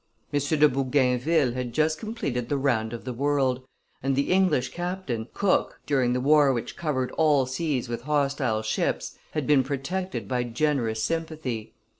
M. de Bougainville had just completed the round of the world, and the English captain, Cook, during the war which covered all seas with hostile ships, had been protected by generous sympathy.